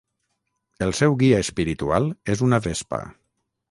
El seu guia espiritual és una vespa.